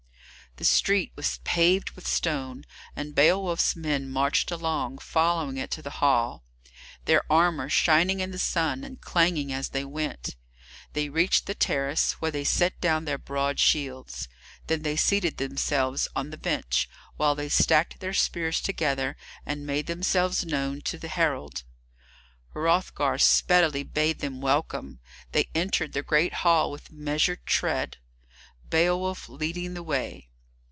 The street was paved with stone, and Beowulf's men marched along, following it to the hall, their armour shining in the sun and clanging as they went. They reached the terrace, where they set down their broad shields. Then they seated themselves on the bench, while they stacked their spears together and made themselves known to the herald. Hrothgar speedily bade them welcome. They entered the great hall with measured tread, Beowulf leading the way.